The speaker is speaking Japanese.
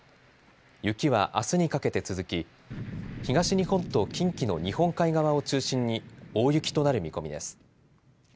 雪はあすにかけて続き東日本と近畿の日本海側を中心に大雪となる見込みです。